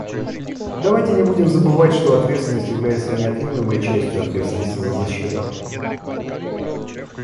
Давайте не будем забывать, что ответственность является неотъемлемой частью ответственности за защиту.